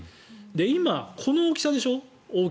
今、この大きさでしょ。